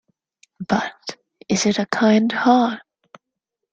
But is it a kind heart?